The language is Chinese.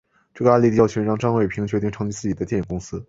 这个案例的教训让张伟平决定成立自己的电影公司。